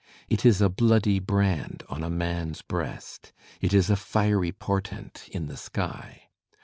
It is a bloody brand on a man's breast. It is a fiery portent in the sky.